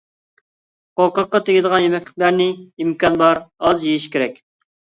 قوقاققا تېگىدىغان يېمەكلىكلەرنى ئىمكان بار ئاز يېيىش كېرەك.